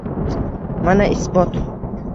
Mana isbot